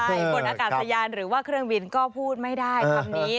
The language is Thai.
ใช่บนอากาศยานหรือว่าเครื่องบินก็พูดไม่ได้คำนี้